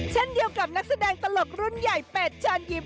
เช่นเดียวกับนักแสดงตลกรุ่นใหญ่เป็ดเชิญยิ้ม